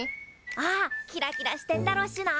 ああキラキラしてんだろっしな。